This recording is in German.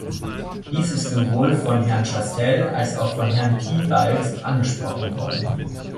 Dies ist sowohl von Herrn Chastel als auch von Herrn Piebalgs angesprochen worden.